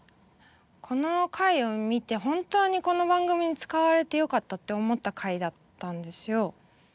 この回を見て本当にこの番組に使われてよかったって思った回だったんですよ。